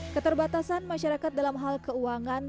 keterbatasan masyarakat dalam hal keuangan